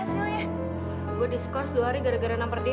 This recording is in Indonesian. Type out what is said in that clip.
saya diskorsi dua hari karena menampar dia